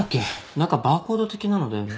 何かバーコード的なのだよね。